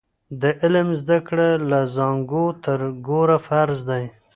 د علم زده کړه له زانګو تر ګوره فرض دی.